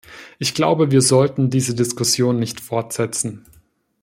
Ich glaube, wir sollten diese Diskussion nicht fortsetzen.